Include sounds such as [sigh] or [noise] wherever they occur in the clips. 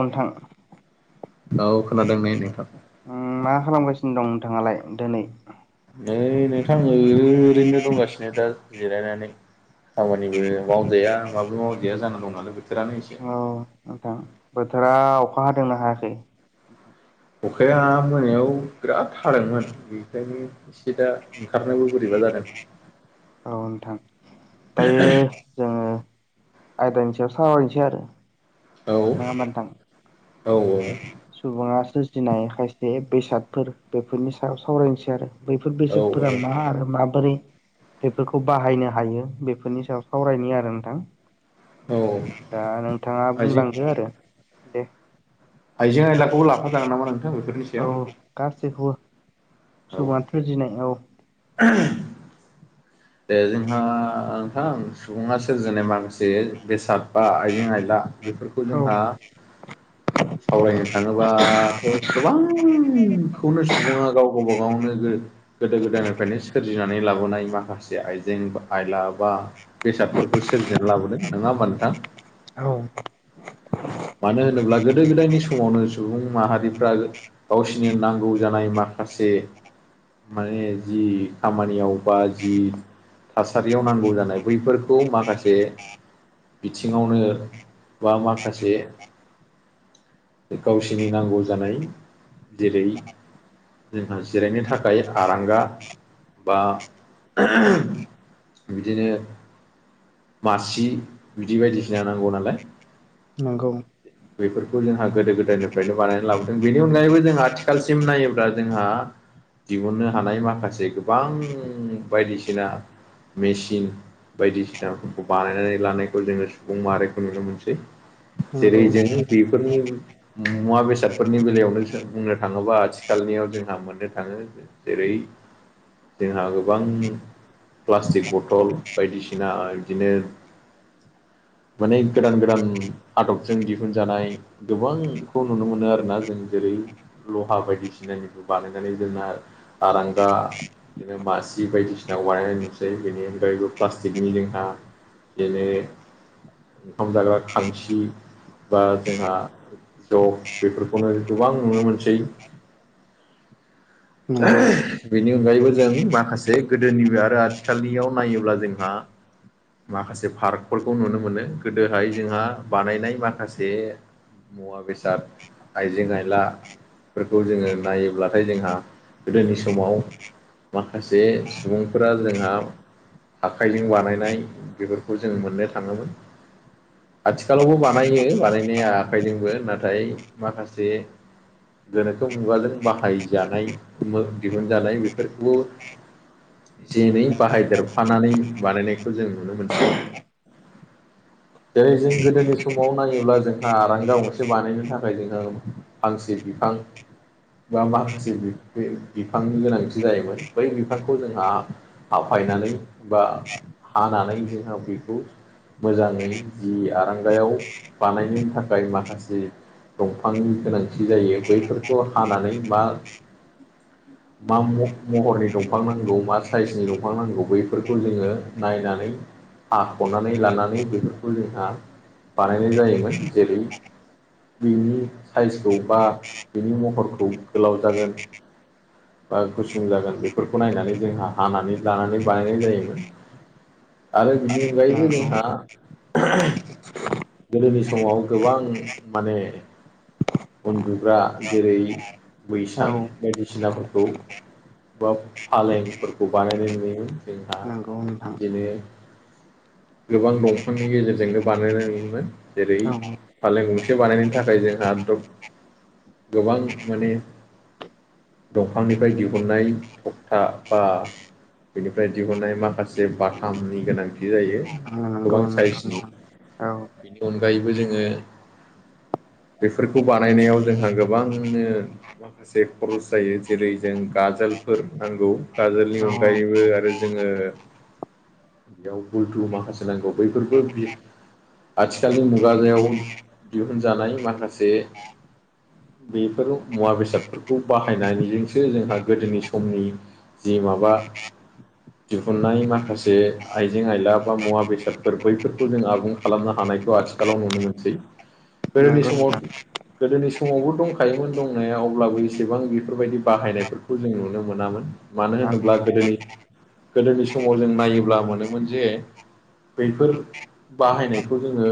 नोंथां औ खोनादोंनै नोंथां मा खालामगासिनो दं नोंथाङालाय दिनै? नै नोंथां ओरैनो दंगासिनो दा। जिरायनानै खामानिबो मावजाया माबो मावजाया जाना दं नालाय बोथोरानो एसे औ नोंथां बोथोरा अखा हादोंना हायाखै? अखाया मोनायाव बिराद हादोंमोन बेखायनो एसे दा ओंखारनोबो बोरैबा जादों। औ नोंथां [inaudible] जोंङो आयदानि सायाव सावरायनोसै आरो औ औ औ सुबुंङा सोरजिनाय खायसे बेसादफोर बेफोरनि सायाव सावरायनोसै आरो बैफोर औ बेसादफोरा मा आरो माबोरै बेफोरखौ बाहायनो हायो बेफोरनि सायाव सावरायनो आरो नोंथां। औ दा नोंथाङा आइजें बुंलांदो आरो दे आइजें आयलाखौबो लाफाजागोन नामा नोंथां बेफोरनि औ सायाव गासैखौबो औ सुबुङा सोरजिनाय औ [inaudible] दे जोंहा नोंथां सुबुङा सोरजिनाय माखासे बेसाद बा आइजें आयला बेफोरखौ औ जोंहा सावरायनो थाङोबाथ' गोबां बेखौनो सुबुङा गाव गावबाागावनो गोदो गोदायनिफ्रायनो सोरजिनानै लाबोनाय माखासे आइजें आइला बा बेसादफोरखौ सोरजिना लाबोदों नङा होमबा नोंथां औ मानो होनोब्ला गोदो गोदायनि समावनो सुबुं माहारिफ्रा गावसिनो नांगौ जानाय माखासे माने जि खामानियाव बा जि थासारियाव नांगौ जानाय बैफोरखौ माखासे बिथिङावनो बा माखासे [inaudible] गावसोरनि नांगौ जानाय जेरै - जोंहा जिरायनो थाखाय आरांगा बा बिदिनो मासि बिदि बायदिसिना नांगौ नालाय नोंगौ बेफोरखौ जोंहा गोदो गोदायनिफ्रायनो बानायनानै लाबोदों बेनि अनगायैबो जों आथिखालसिम नायोब्ला जोंहा दिहुननो हानाय माखासे गोबां बायदिसिना मेचन बायदिसिनाफोरखौ बानायनानै लानायखौ जोङो सुबुं माहारारिखौ नुनो मोनसै जेरै नंगौ जों बेफोरनि मुवा बेसादफोरनि बेलायावनो बुंनो थाङोबा आथिखालनियाव जोंहा मोननो थाङो जेरै जोंहा गोबां प्लास्टिक बथल बायदिसिना बिदिनो माने गोदान गोदान आदब जों दिहुनजानाय गोबांखौ नुनो मोनो आरोना जों जेरै लहा बायदिसिनानिखौ बानायनानै जोंना आरांगा बिदिनो मासि बायदिसिनााव बानायनाय नुसै बेनि अनगायैबो प्लास्टिकनि जोंहा बिदिनो ओंखाम जाग्रा खांसि बा जोंहा जब बेफोरखौनो गोबां नुनो मोनसै नंगौ बेनि अनगायैबो जों माखासे गोदोनिबो आरो आथिखालनियाव नायोब्ला जोंहा माखासे पार्कफोरखौ नुनो मोनो गोदोहाय जोंहा बानायनाय माखासे मुवा बेसाद आइजें आइलाफोरखौ जोङो नायोब्लाथाय जोंहा गोदोनि समाव माखासे सुबुंफोरा जोंहा आखायजोंं बानायनाय बेफोरखौ जों मोननो थाङोमोन। आथिखालावबो बानायो बानायनाया आखाइजोंबो नाथाय माखासे गोनोखो मुगाजों बाहायजानाय मो दिहुनजानाय बेफोरखौबो जेनै बाहायदेरफानानै बानायनायखौ जों नुनो मोनसै [inaudible] जेरै जों गोदोनि समाव नायोब्ला जोंहा आरांगा गंसे बानायनो थाखाय जोङा फांसे बिफां बा माखासे बे बिफांनि गोनांथि जायोमोन बै बिफांखौ जोंहा हाफायनानै बा हानानै जोंहा बैखौ मोजाङै जि आरांगायाव बानायनो थाखाय माखासे दंफांनि गोनांथि जायो बैफोरखौ हानानै मा मा महरनि दंफां नांगौ मा साइसनि दंफां नांगौ बैफोरखौ जोङो नायनानै हाख'नानै लानानै बेफोरखौ जोंहा बानायनाय जायोमोन जेरै बेनि साइसखौ बा बिनि महरखौ गोलाव जागोन बा गुसुं जागोन बेफोरखौ नायनानै जोंहा हानानै लानानै बानायनाय जायोमोन आरो बेनि अगायैबो नंगौ जोंहा गोदोनि समाव गोबां माने उन्दुग्रा जेरै औ बैसां बायदिसिनाफोरखौ बा फालेंफोरखौ बानायनाय नुयो जोंहा नंगौ नोंथां बिदिनो गोबां दंफांनि गेजेरजोंनो बानाय नुयोमोन जेरै औ फालें गंसे बानायनो थाखाय जोंहा द्रब गोबां माने दंफांनिफ्राय दिहुननाय तखथा बा बेनिफ्राय दिहुननाय माखासे बाथामनि गोनांथि जायो ओ नांगौ गोबां नोंगौ साइसनि नोंथां औ बेनि अनगायैबो जोङो बेफोरखौ बानायनायाव जोंहा गोबांनो माखासे खरस जायो जेरै जों गाजोलफोर नांगौ औ गाजोलनि अनगायैबो आरो जोङो [inaudible] बेयाव बुलथु माखासे नांगौ बैफोरबो आथिखालनि मुगाजायाव दिहुनजानाय माखासे बेफोर मुवा बेसादफोर खौ बाहायनानैजोंसो जोंहा गोदोनि समनि जि माबा [inaudible] दिहुननाय माखासे आइजें आइला बा मुवा बेसादफोर बैफोरखौ जों आबुं खालामनो हानायखौ आथि आलाव नुनोमोनसै [inaudible] गोदोनि समाव नोंथां गोदोनि समावबो दंखायोमोन दंनाया अब्लाबो एसेबां बेफोरबायदि बाहायनायफोरखौ जों नुनो मोनामोन मानो औ होनोब्ला गोदोनि गोदोनि समाव जों नायोब्ला मोनोमोन जे बैफोर बाहायनायखौ जोङो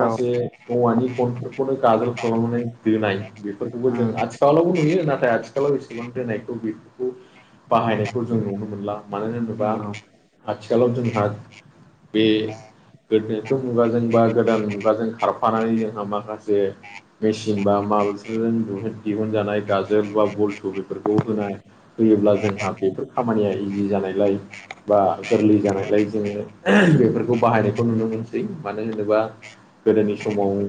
औ औवानि गनफोरखौनो गाजोल खालामनानै दोनाय बेफोरखौबो जों उम आथिखाल लावबो नुयो नाथाय आथिखालाव एसेबां दोनायखौ बिखौ बाहायनायखौ जों नुनो मोनला मानो होनोबा नंगौ आथिखालाव जोंहा बे गोनोखो मुगाजों बा गोदान मुगाजों खारफानानै जोंहा माखासे मेसिन बा माबफोरजों दिहुनजानाय गाजोल बा बल्थु बेफोरखौ होनाय फैयोब्ला जोंहा बेफोर खामानिया इजि जानायलाय बा गोरलै जानायलाय जोङो बेफोरखौ बाहायनायखौ नुनो मोनसै मानो होनोबा गोदोनि समाव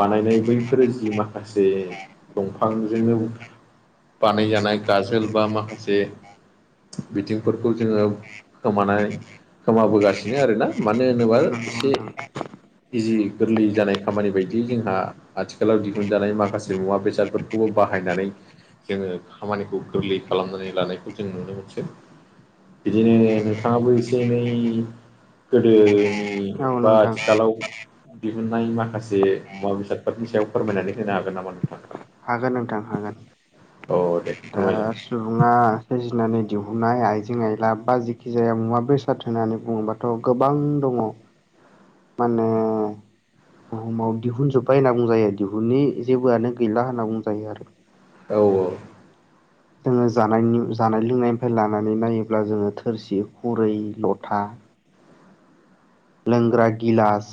बानायनाय बैफोरो जि माखासे फांजोंनो बानायजानाय गाजोल बा माखासे बिथिंफोरखौ जोङो खोमानानै खोमाबोगासिनो आरोना मानो होनोबा नंगौ एसे नोंथां इजि गोरलै जानाय खामानि बायदि जोंहा आथिखालाव दिहुनजानाय माखासे मुवा बेसादफोर खौबो बाहायनानै जोङो खामानिखौ गोरलै खालामनानै लानायखौ जों नुनो मोनसै। बिदिनो नोंथाङाबो एसे एनै गोदोनि औ बा नोंथां आथिखालाव दिहुननाय माखासे मुवा बेसादफोरनि सायाव फोरमायनानै होनो हागोन नामा नोंथां? हागोन नोंथां हागोन। औ दे दा फोरमायलाय। सुबुङा सोरजिनानै दिहुननाय आइजें आइला बा जेखि जाया मुवा बेसाद होननानै बुङोबा थ' गोबां दङ माने बुहुमाव दिहुनजोब्बाय होनना बुंजायो दिहुननि जेबोआनो गैला होनना बुंजायो आरो। औ औ। जोङो जानायनि जानाय लोंनायनिफ्राय लानानै नायोब्ला जोङो थोरसि खुरै लथा लोंग्रा गिलास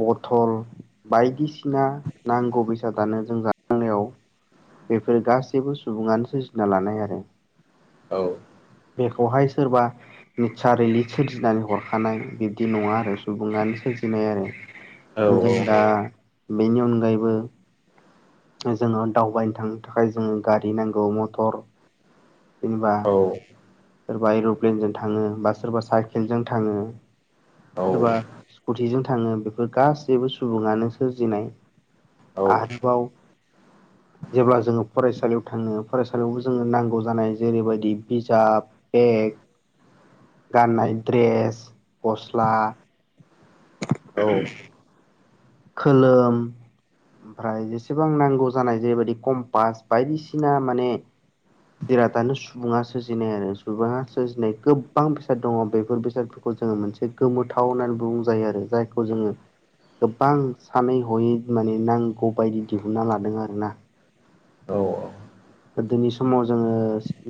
बथल बायदिसिना नांगौ बेसादानो जों ज बेफोरो गासैबो सुबुङानो सोरजिना लानाय आरो। औ। बेखौहाय सोरबा नेचारेलि सोरजिनानै हरखानाय बिदि नङा आरो सुबुङानो सोरजिनाय आरो। औ जों दा बेनि अनगायैबो जोङो दावबायनो थांनो थाखाय जोङो गारि नांगौ मथर जेनेबा औ सोरबा एर'प्लेनजों थाङो बा सोरबा साइकेलजों थाङो औ सोरबा स्कुटिजों थाङो बेफोर गासैबो सुबुङानो सोरजिनाय आरोबाव जेब्ला जोङो फरायसालियाव थाङो फरायसालियावबो जोङो नांगौ जानाय जेरैबायदि बिजाब बेग गाननाय द्रेस गस्ला औ खोलोम ओमफ्राय जेसेबां नांगौ जानाय जेरैबायदि कम्पास बायदिसिना माने जेरादानो सुबुङा सोरजिनाय आरो सुबुङा सोरजिनाय गोबां बेसाद दङ बेफोर बेसाद खौ जोङो मोनसे गोमोथाव होननानै बुंजायो आरो जायखौ जोङो गोबां सानै हयै माने नांगौ बायदि दिहुना लादों आरोना। औ औ। गोदोनि समाव जोङो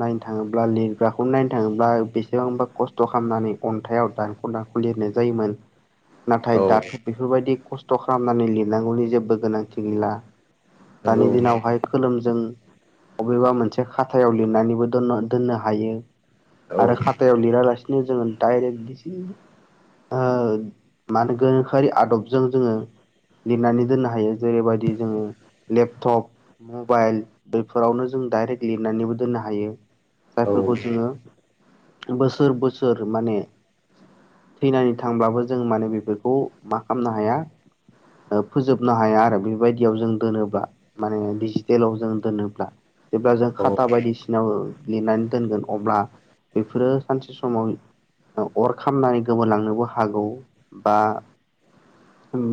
नायनो थाङोब्ला लिरग्राखौ नायनो थाङोब्ला बेसेबांबा खस्थ' खालामनानै अन्थाइाव दान ख'नाखौ लिरनाय जायोमोन। औ नाथाय दाथ' बेफोरबायदि खस्थ' खालामनानै लिरनांगौनि जेबो गोनांथि गैला। दानि नंगौ दिनावहाय खोलोमजों बबेबा मोनसे खाथायाव लिरनानैबो दोनना दोननो हायो। औ आरो खाथायाव लिरालासिनो जोङो डाइरेक्ट बि ओ गोनोखोआरि आदबजों जोङो लिरनानै दोननो हायो जेरैबायदि जोङो लेपटप मबाइल फोरावनो जों डाइरेक्ट लिरनानैबो दोननो हायो औ जायफोरखौ जोङो बोसोर बोसोर माने थैनानै थांब्लाबो जों माने बेफोरखौ मा खालामनो हाया ओ फोजोबनो हाया आरो बेबायदियाव जों दोनोब्ला माने डिजिटेलाव जों दोनो ब्ला जेब्ला जों खाटा बायदिसिनाव लिरनानै दोनगोन अब्ला बेफोरो सानसे समाव अर खामनानै गोमालांनोबो हागौ बा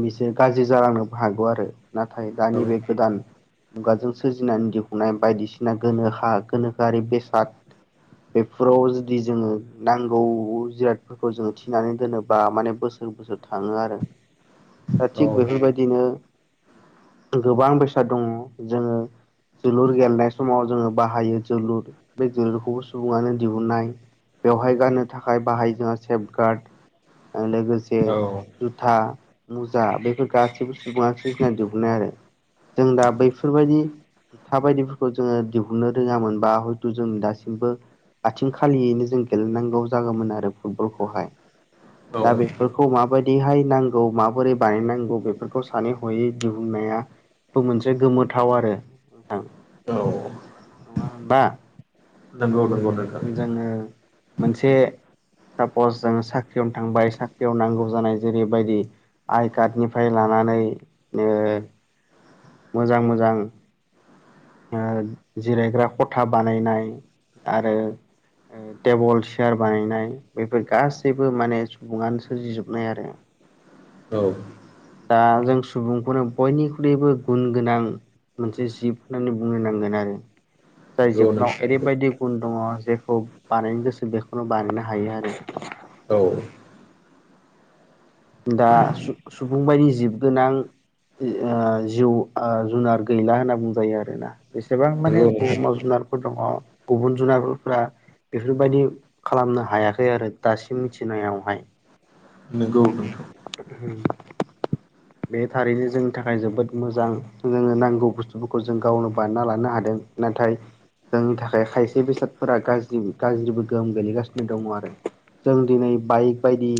बिसोर गाज्रि जालांनोबो हागौ आरो। नाथाय दानि बे औ गोदान मुगाजों सोरजिनानै दि हुनाय बायदिसिना गोनोहा गोनोखोआरि बेसाद बेफोराव जुदि जोङो नांगौ जिराद फोरखौ जोङो थिनानै दोनोबा माने बोसोर बोसोर थाङो आरो। दा थिग औ बेफोरबायदिनो गोबां बेसाद दङ जोङो जोलुर गेलेनाय समाव जोङो बाहायो जोलुर बे जोलुरखौबो सुबुङानो दिहुननाय। बेवहाय गाननो थाखाय बाहायो जोंहा सेफ गार्ड लोगोसे औ जुथा मुजा बेफोर गासैबो सुबुङा सोरजिना दिहुननाय आरो। जों दा बैफोरबायदि था बायदिफोरखौ जोङो दिहुननो रोङामोनबा हयथ' जों दासिमबो आथिं खालियैनो जों गेलेनांगौ जागौमोन आरो फुटबलखौहाय। औ दा बेफोरखौ माबायदिहाय नांगौ माबोरै बानायनांगौ बेफोरखौ सानै हयै दिहुननायाबो मोनसे गोमोथाव आरो। थां नंङा होनबा नंगौ नंगौ नोंथां जोंङो मोनसे सापस जों साख्रियावनो थांबाय साख्रियाव नांगौ जानाय जेरैबायदि आइ कार्डनिफ्राय लानानै ओ मोजां मोजां ओ जिरायग्रा खथा बानायनाय आरो ओ टेबोल चियार बानायनाय बेफोर गासैबो माने सुबुङानो सोरजिजोबनाय आरो [inaudible] औ। दा जों सुबुंखौनो बयनिख्रुइबो गुन गोनां मोनसे जिब होननानै बुंनो नांगोन आरो जाय नंगौ जोबना ओरै नोंथां बेबायदि गुन दङ जेखौ बानायनो गोसो बेखौनो बानायनो हायो आरो। औ। दा सु-सुबुं बायदि जिब गोनां ओ जिउ ओ जुनार गैला होनना बुंजायो आरोना बेसेबां माने नंगौ नोंथां बुहुमाव जुनारफोर दङ गुबुन जुनारफ्रा बेफोरबायदि खालामनो हायाखै आरो दासिम मिथिनायावहाय नोंगौ [unintelligible] बे थारैनो जोंनि थाखाय जोबोद मोजां जोङो नांगौ बुस्थुफोरखौ जों गावनो बानायना लानो हादों नाथाय जोंनि थाखाय खायसे बेसादफोरा गाज्रि गाज्रिबो गोहोम गोलैगासिनो दङ आरो जों दिनै बाइक बायदि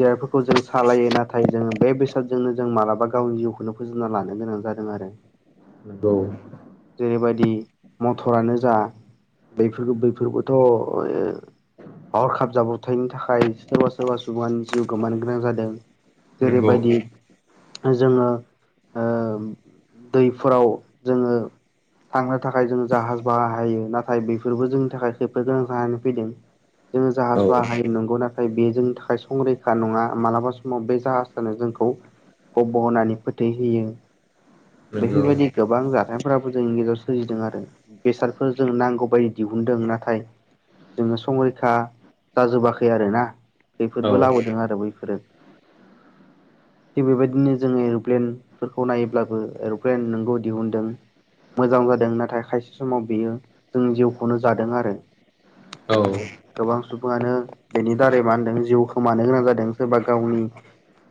जिरादफोरखौ जों सालायो नाथाय जोङो बे बेसादजोंनो जों मालाबा गावनि जिउखौनो फोजोबना लानो गोनां जादों आरो [inaudible] गौ जेरैबायदि मथरानो जा बैफोरबो बैफोरबोथ' [unintelligible] हरखाब जाब्रथायनि थाखाय सोरबा सोरबा सुबुंआ जिउ गोमानो गोनां जादों नंगौ जेरैबायदि जोङो ओ दैफोराव जोङो थांनो थाखाय जोङो जाहाज बाहायो नाथाय बेफोरबो जोंनि थाखाय खैफोद [unintelligible] जानानै फैदों जोङो जाहाज औ बाहायो नंगौ नाथाय बे जोंनि थाखाय संरैखा नङा मालाबा समाव बे जाहाजानो जोंखौ गब होननानै फोथैहोयो नंगौ बेफोरबायदि गोबां जाथायफ्राबो जोंनि गेजेराव सोलिदों आरो बेसादफोर जों नांगौबाय [unintelligible] दिहुनदों नाथाय जोङो संरैखा जाजोबाखै आरो ना औ खैफोदबो लाबोदों आरो बैफोरो थिग बेबायदिनो जोङो एर'प्लेनफोरखौ नायोब्लाबो एर'प्लेन नंगौ दिहुुनदों मोजां जादों नाथाय खायसे समाव बियो जोंनि जिउखौनो जादों आरो औ गोबां सुबुङानो बेनि दारै मा होनदों जिउ खोमानो गोनां जादों सोरबा गावनि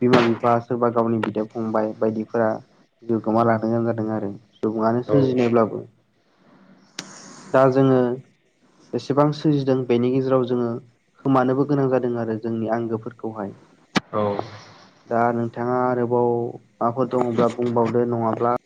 बिमा बिफा सोरबा गावनि बिदा फंबाय बायदिफोरा जिउ गोमा लांनो गोनां जादों आरो सुबुङानो औ सोरजिनायब्लाबो दा जोङो बेसेबां सोरजिदों बेनि गेजेराव जोङो खोमानोबो गोनां जादों आरो जोंनि आंगोफोरखौहाय औ दा नोंथाङा आरोबाव माबाफोर दङब्ला बुंबावदो नङाब्ला